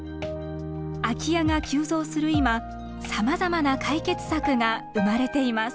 空き家が急増する今さまざまな解決策が生まれています。